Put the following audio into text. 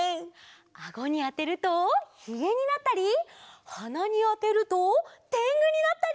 アゴにあてるとひげになったりはなにあてるとてんぐになったり！